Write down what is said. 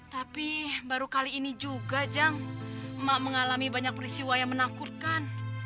tapi baru kali ini juga jang emak mengalami banyak peristiwa yang menakutkan